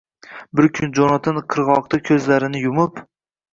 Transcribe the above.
Bir kuni Jonatan qirg‘oqda ko‘zlarini yumib